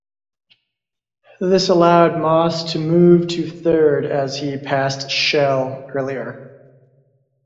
This allowed Moss to move to third as he had passed Schell earlier.